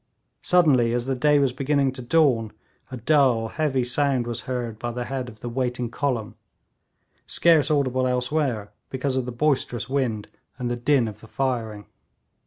Suddenly, as the day was beginning to dawn, a dull, heavy sound was heard by the head of the waiting column, scarce audible elsewhere because of the boisterous wind and the din of the firing.